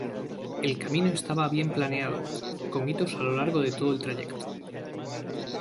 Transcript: El camino estaba bien planeado, con hitos a lo largo de todo el trayecto.